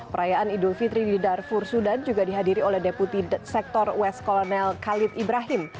perayaan idul fitri di darfur sudan juga dihadiri oleh deputi sektor west kolonel khalid ibrahim